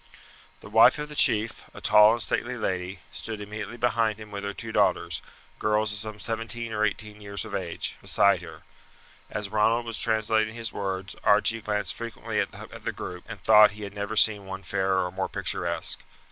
The wife of the chief, a tall and stately lady, stood immediately behind him with her two daughters, girls of some seventeen or eighteen years of age, beside her. As Ronald was translating his words Archie glanced frequently at the group, and thought he had never seen one fairer or more picturesque.